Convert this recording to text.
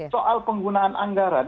soal penggunaan anggaran